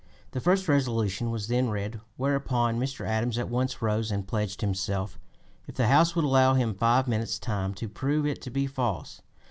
The first resolution was then read, whereupon Mr. Adams at once rose and pledged himself, if the House would allow him five minutes' time, to prove it to be false.